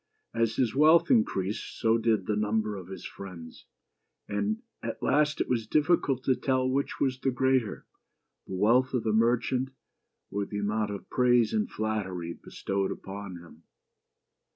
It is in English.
As his wealth increased, so did the number of his friends; and at last it was difficult to tell which was the greater, — the 85 BEAUTY AND THE BEAST. wealth of the merchant, or the amount of praise and flattery bestowed upon him.